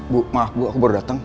bu maaf bu aku baru datang